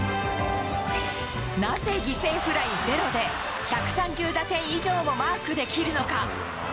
なぜ犠牲フライ０で１３０打点以上もマークできるのか。